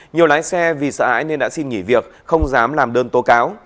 nhiều lái xe vì sợ ái nên đã xin nghỉ việc không dám làm đơn tố cáo